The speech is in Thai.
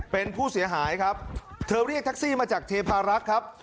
เป็นผู้เสียหายครับเธอเรียกแท็กซี่มาจากเทพารักษ์ครับ